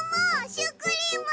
シュークリーム！